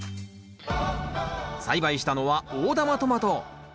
栽培したのは大玉トマト。